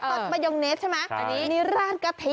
ตอนประยงเนตใช่มะนี่ร้านกะพริ